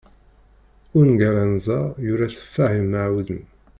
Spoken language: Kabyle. ungal anza, yura-t Fahim Meɛudan